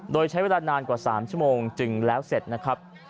โดยใช้เวลานานกว่า๓ชั่วโมงจึงแล้วเสร็จนะครับ